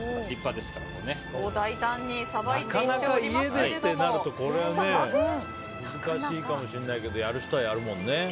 なかなか家でってなるとこれは、難しいかもしれないけどやる人はやるもんね。